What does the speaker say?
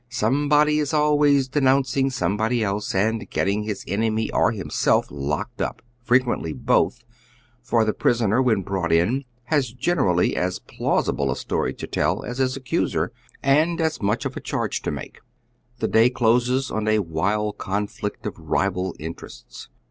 Somebody is always denouncing somebody else, and getting his enemy or Iiiinself locked up; frequently both, for the prisoner, when brought in, lias generally as plausible a stoi y to tell as his accuser, and as liot a charge to malce. The day closes on a wild con flict of rival interests.